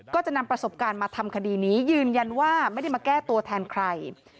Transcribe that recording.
ก็จะนำประสบการณ์มาทำคดีนี้ยืนยันว่าไม่ได้มาแก้ตัวแทนใคร